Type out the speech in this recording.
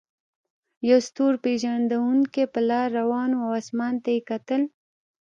یو ستور پیژندونکی په لاره روان و او اسمان ته یې کتل.